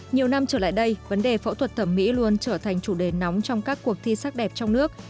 nhiều năm trở lại đây vấn đề phẫu thuật thẩm mỹ luôn trở thành chủ đề nóng trong các cuộc thi sắc đẹp trong nước